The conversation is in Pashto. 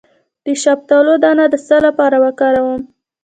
د شفتالو دانه د څه لپاره وکاروم؟